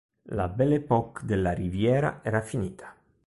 La "belle époque" della Riviera era finita".